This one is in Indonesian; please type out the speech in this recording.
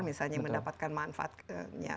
misalnya mendapatkan manfaatnya